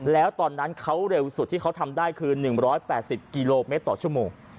แล้วตอนนั้นเขาเร็วสุดที่เขาทำได้คือ๑๘๐กิโลเมตรต่อชั่วโมง